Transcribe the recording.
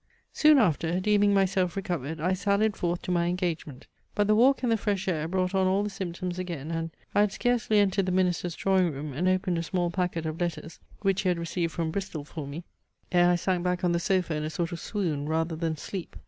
Soon after, deeming myself recovered, I sallied forth to my engagement; but the walk and the fresh air brought on all the symptoms again, and, I had scarcely entered the minister's drawing room, and opened a small pacquet of letters, which he had received from Bristol for me; ere I sank back on the sofa in a sort of swoon rather than sleep.